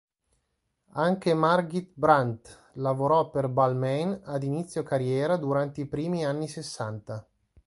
Anche Margit Brandt lavorò per Balmain ad inizio carriera durante i primi anni sessanta.